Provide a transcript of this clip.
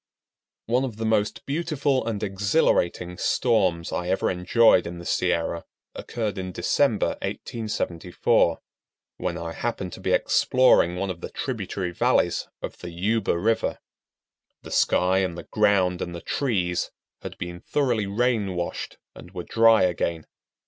One of the most beautiful and exhilarating storms I ever enjoyed in the Sierra occurred in December, 1874, when I happened to be exploring one of the tributary valleys of the Yuba River. The sky and the ground and the trees had been thoroughly rain washed and were dry again.